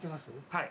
はい。